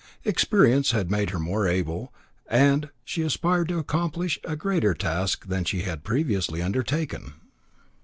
Experience had made her more able, and she aspired to accomplish a greater task than she had previously undertaken.